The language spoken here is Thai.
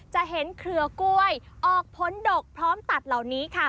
จะเห็นเครือกล้วยออกพ้นดกพร้อมตัดเหล่านี้ค่ะ